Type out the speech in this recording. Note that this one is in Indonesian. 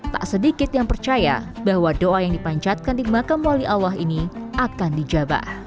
tak sedikit yang percaya bahwa doa yang dipancatkan di makam wali allah ini akan dijabah